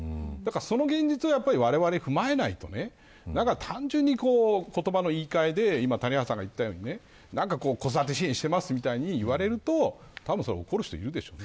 その現実をわれわれ踏まえないとだから単純に言葉の言い換えで今、谷原さんが言ったように子育て支援してますみたいに言われるとたぶんそれ怒る人いるでしょうね。